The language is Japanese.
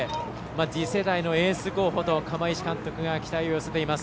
次世代のエース候補と釜石監督が期待を寄せています。